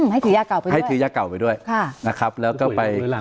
ให้ถือยาเก่าไปด้วย